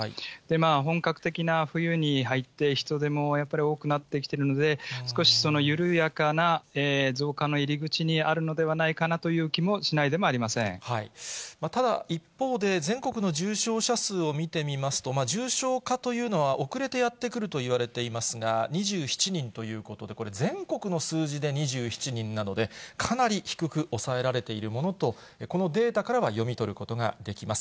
本格的な冬に入って、人出もやっぱり多くなってきているので、少し緩やかな増加の入り口にあるのではないかなという気もしないただ、一方で、全国の重症者数を見てみますと、重症化というのは遅れてやって来るといわれていますが、２７人ということで、これ、全国の数字で２７人なので、かなり低く抑えられているものと、このデータからは読み取ることができます。